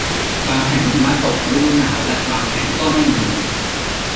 บางแห่งมีหิมะตกในฤดูหนาวและบางแห่งก็ไม่มี